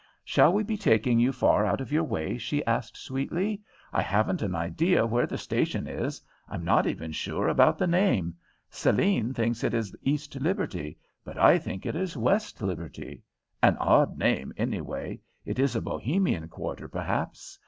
"Shall we be taking you far out of your way?" she asked sweetly. "I haven't an idea where the station is. I'm not even sure about the name. Céline thinks it is East Liberty, but I think it is West Liberty. An odd name, anyway. It is a Bohemian quarter, perhaps?